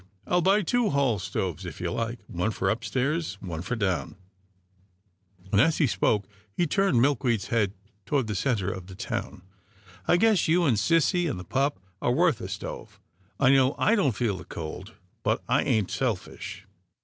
I'll buy two hall stoves, if you like, one for up stairs, one for down," and, as he spoke, he turned Milkweed's head toward the centre of the town. " I guess you, and sissy, and the pup are worth a stove. I know I don't feel the cold, but I ain't selfish."